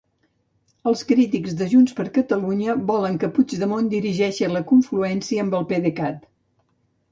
Els crítics de JxCat volen que Puigdemont dirigeixi la confluència amb el PDECat.